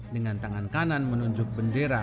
dengan tangan kanan menunjuk bendera